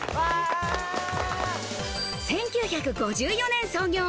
１９５４年創業。